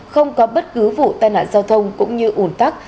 không có bất cứ vụ tai nạn giao thông cũng như ủn tắc